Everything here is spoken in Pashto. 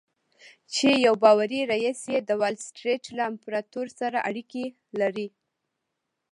چې يو باوري رييس يې د وال سټريټ له امپراتور سره اړيکې لري.